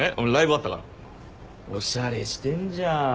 おしゃれしてんじゃん。